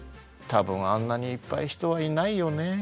多分あんなにいっぱい人はいないよね。